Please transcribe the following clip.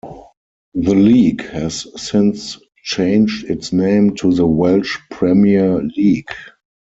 The league has since changed its name to the Welsh Premier League.